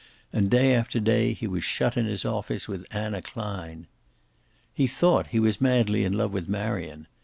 And, day after day, he was shut in his office with Anna Klein. He thought he was madly in love with Marion.